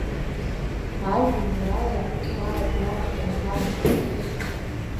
Ажәеинраала Дгәааит Нар аҟны ҳаԥхьоит…